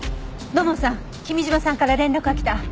土門さん君嶋さんから連絡が来た。